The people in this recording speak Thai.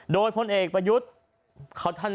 โดยพลเอกประยุทธ์